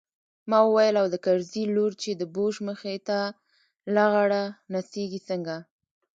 ما وويل او د کرزي لور چې د بوش مخې ته لغړه نڅېږي څنګه.